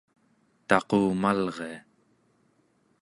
taqumalria